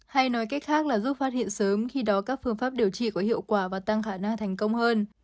hay nói cách khác là giúp phát hiện sớm khi đó các phương pháp điều trị có hiệu quả và tăng khả năng thành công hơn